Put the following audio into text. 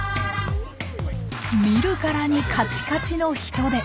見るからにカチカチのヒトデ。